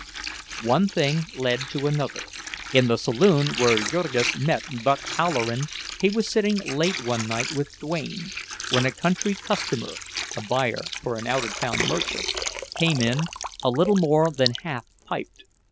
One thing led to another. In the saloon where Jurgis met "Buck" Halloran he was sitting late one night with Duane, when a "country customer" (a buyer for an out of town merchant) came in, a little more than half "piped."